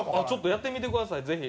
やってみてくださいぜひ。